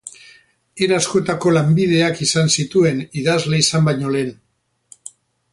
Era askotako lanbideak izan zituen, idazle izan baino lehen.